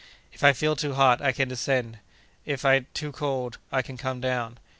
If I feel too hot, I can ascend; if too cold, I can come down.